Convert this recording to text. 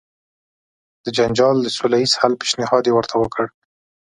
د جنجال د سوله ایز حل پېشنهاد یې ورته وکړ.